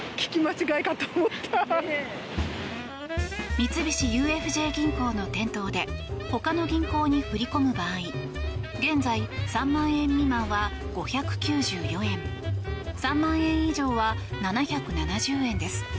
三菱ＵＦＪ銀行の店頭でほかの銀行に振り込む場合現在、３万円未満は５９４円３万円以上は７７０円です。